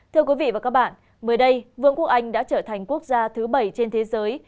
thưa quý vị và các bạn mới đây vương quốc anh đã trở thành quốc gia thứ bảy trên thế giới